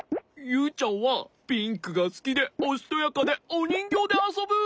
ユウちゃんはピンクがすきでおしとやかでおにんぎょうであそぶ！